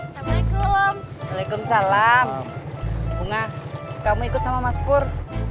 assalamualaikum waalaikumsalam bunga kamu ikut sama mas pur